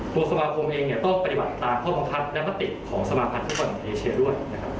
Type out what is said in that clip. ตัวสมาคมเองต้องปฏิบัติตามข้อความคัดและมาติดของสมาพันธุ์ภูมิอเมืองเอเชียด้วย